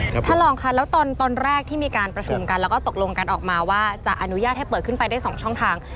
ท่านรองค่ะแล้วตอนตอนแรกที่มีการประชุมกันแล้วก็ตกลงกันออกมาว่าจะอนุญาตให้เปิดขึ้นไปได้สองช่องทาง